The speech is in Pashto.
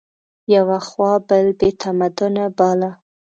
یوه خوا بل بې تمدنه باله